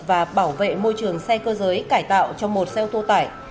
và bảo vệ môi trường xe cơ giới cải tạo cho một xe ô tô tải